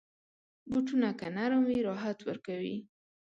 بوټونه که نرم وي، راحت ورکوي.